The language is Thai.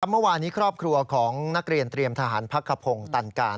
เมื่อวานี้ครอบครัวของนักเรียนเตรียมทหารพักขพงศ์ตันการ